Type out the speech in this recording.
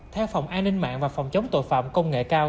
theo phòng an ninh mạng và phòng chống tội phạm công nghệ cao